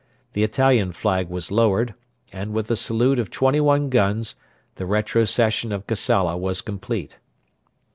The Italian flag was lowered, and with a salute of twenty one guns the retrocession of Kassala was complete.